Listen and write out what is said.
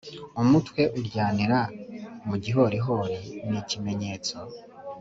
umutwe uryanira mugihorihori ni ikimenyetso